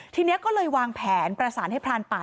ทีนี้ก็เลยวางแผนประสานให้พรานป่า